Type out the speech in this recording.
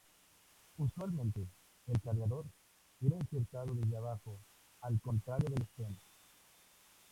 Usualmente, el cargador era insertado desde abajo, al contrario del Sten.